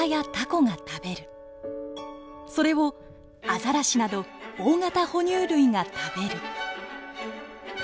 それをアザラシなど大型哺乳類が食べる。